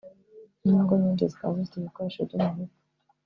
n’ingo nyinshi zikaba zifite ibikoresho byo mu rugo